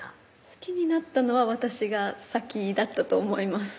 好きになったのは私が先だったと思います